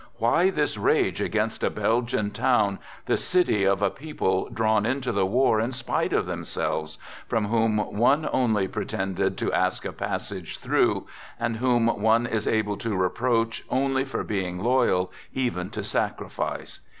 Why • this rage against a Belgian town, the city of a people ; drawn into the war in spite of themselves, from . whom one only pretended to ask a passage through, < and whom one is able to reproach only for being loyal even to sacrifice?